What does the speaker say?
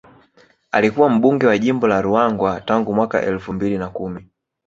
Alikuwa mbunge wa jimbo la Ruangwa tangu mwaka elfu mbili na kumi